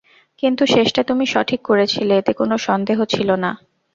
কিন্তু শেষটা তুমি সঠিক করেছিলে এতে কোনো সন্দেহ ছিল না।